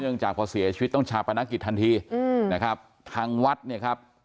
จากพอเสียชีวิตต้องชาปนกิจทันทีอืมนะครับทางวัดเนี่ยครับ